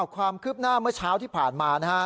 ความคืบหน้าเมื่อเช้าที่ผ่านมานะฮะ